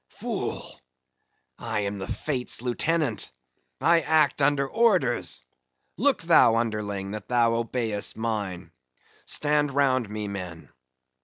Fool! I am the Fates' lieutenant; I act under orders. Look thou, underling! that thou obeyest mine.—Stand round me, men.